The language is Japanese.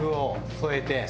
添えて。